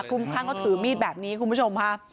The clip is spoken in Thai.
คุ้มข้างเขาถือมีดแบบนี้คุณผู้ชมค่ะ